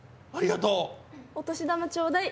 ありがとう。